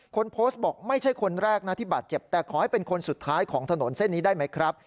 คนโพสต์บอกไม่ใช่คนแรกนะที่บาดเจ็บแต่ขอให้เป็นคนสุดท้ายของถนนเส้นนี้ได้ไหมครับ